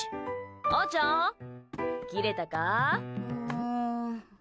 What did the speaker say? あーちゃん切れたか？